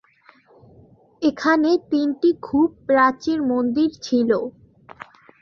এখানে তিনটি খুব প্রাচীন মন্দির ছিল।